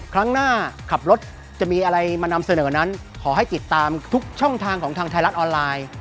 ครั้งหน้าขับรถจะมีอะไรมานำเสนอนั้นขอให้ติดตามทุกช่องทางของทางไทยรัฐออนไลน์